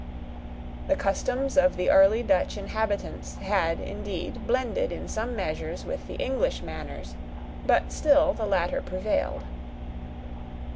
The customs of the early Dutch inhabitants had, indeed, blended in some measures, with the English manners; but still the latter prevailed.